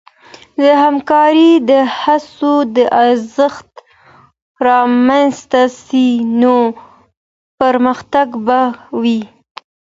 د همکارۍ د هڅو د ارزښت رامنځته سي، نو پرمختګ به وي.